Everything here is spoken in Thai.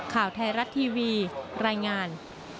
ข่าวไทยรัฐทีวีรายงาน